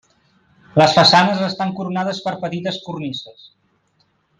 Les façanes estan coronades per petites cornises.